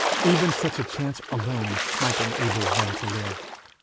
Even such a chance alone might enable one to live.